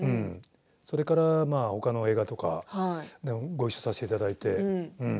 それから、ほかの映画とかごいっしょさせていただいて。